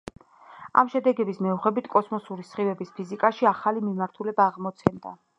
ამ შედეგების მეოხებით კოსმოსური სხივების ფიზიკაში ახალი მიმართულება აღმოცენდა.